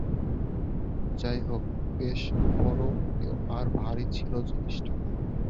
যাইহোক, বেশ বড় আর ভারী ছিল জিনিসটা।